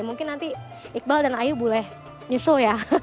mungkin nanti iqbal dan ayu boleh nyusul ya